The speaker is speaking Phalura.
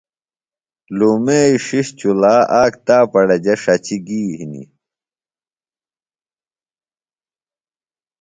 لُومئیۡ ݜِݜ چُلا آک تاپڑہ جےۡ ݜچیۡ گی ہنیۡ